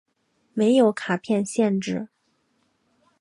没有卡片限制。